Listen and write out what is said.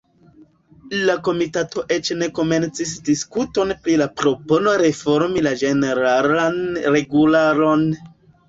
La komitato eĉ ne komencis diskuton pri la propono reformi la ĝeneralan regularon.